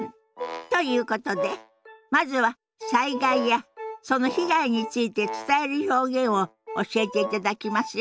ということでまずは災害やその被害について伝える表現を教えていただきますよ。